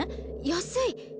安い！